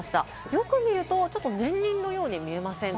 よく見ると、年輪のように見えませんか？